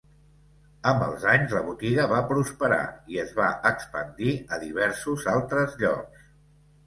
Amb els anys, la botiga va prosperar i es va expandir a diversos altres llocs.